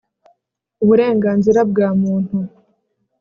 Uburenganzira bwa Muntu